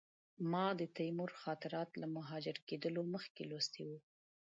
ما د تیمور خاطرات له مهاجر کېدلو مخکې لوستي وو.